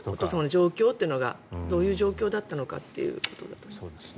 状況というのがどういう状況だったのかということだと思います。